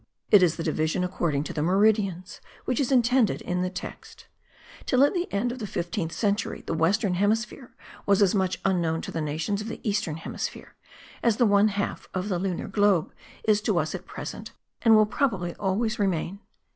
It is the division according to the meridians, which is intended in the text. Till the end of the 15th century the western hemisphere was as much unknown to the nations of the eastern hemisphere, as one half of the lunar globe is to us at present, and will probably always remain.)